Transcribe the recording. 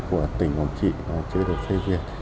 của tỉnh quảng trị